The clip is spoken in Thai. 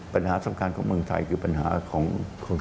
ปัญหาสำคัญของเมืองไทยคือปัญหาของ